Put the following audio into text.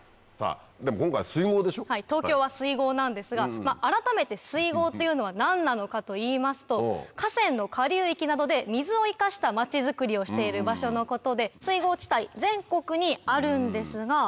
はい東京は水郷なんですが改めて水郷っていうのは何なのかといいますと河川の下流域などで水を生かした町づくりをしている場所のことで水郷地帯全国にあるんですが。